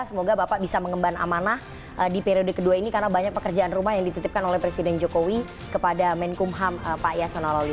semoga bapak bisa mengemban amanah di periode kedua ini karena banyak pekerjaan rumah yang dititipkan oleh presiden jokowi kepada menkumham pak yasona lawli